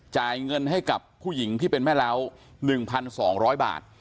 จ่ายเงินให้กับผู้หญิงที่เป็นแม่เล้าหนึ่งพันสองร้อยบาท